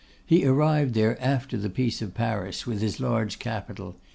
He arrived here after the peace of Paris, with his large capital.